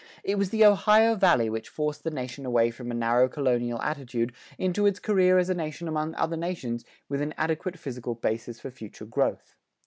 It was the Ohio Valley which forced the nation away from a narrow colonial attitude into its career as a nation among other nations with an adequate physical basis for future growth.